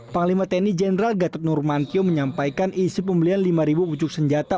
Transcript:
panglima tni jenderal gatot nurmantio menyampaikan isi pembelian lima pucuk senjata